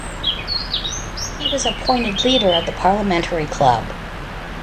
He was appointed Leader of the parliamentary club.